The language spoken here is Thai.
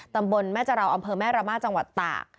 ตำบลแม่จราวอำเภอแม่ระมาทจังหวัดตาก